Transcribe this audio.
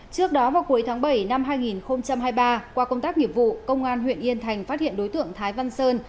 trước đó vào cuối tháng bảy năm hai nghìn hai mươi ba qua công tác nghiệp vụ công an huyện yên thành phát hiện đối tượng thái văn sơn